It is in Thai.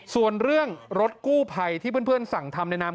ส่วนเรื่องรถกู้ภัยที่เพื่อนสั่งทำในนาม